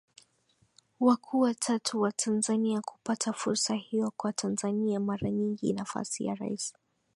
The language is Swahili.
wakuu watatu wa Tanzania kupata fursa hiyoKwa Tanzania mara nyingi nafasi ya Rais